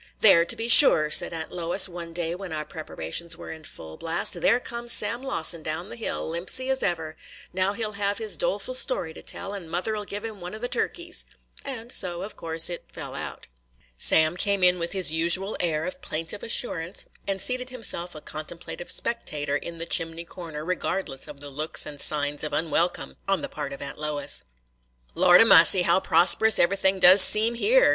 "There, to be sure," said Aunt Lois, one day when our preparations were in full blast, – "there comes Sam Lawson down the hill, limpsy as ever; now he 'll have his doleful story to tell, and mother 'll give him one of the turkeys." And so, of course, it fell out. Sam came in with his usual air of plaintive assurance, and seated himself a contemplative spectator in the chimney corner, regardless of the looks and signs of unwelcome on the part of Aunt Lois. "Lordy massy, how prosperous everything does seem here!"